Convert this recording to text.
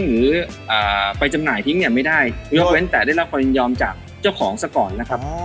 หรือไปจำหน่ายทิ้งเนี่ยไม่ได้ยกเว้นแต่ได้รับความยินยอมจากเจ้าของซะก่อนนะครับ